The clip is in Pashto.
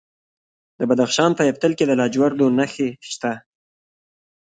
د بدخشان په یفتل کې د لاجوردو نښې شته.